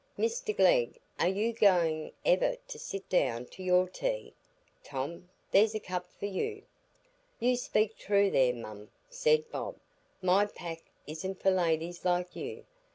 "Mr Glegg, are you going ever to sit down to your tea? Tom, there's a cup for you." "You speak true there, mum," said Bob. "My pack isn't for ladies like you.